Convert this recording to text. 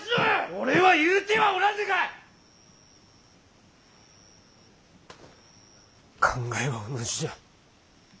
俺は言うてはおらぬが考えは同じじゃ。